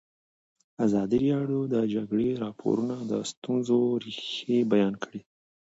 ازادي راډیو د د جګړې راپورونه د ستونزو رېښه بیان کړې.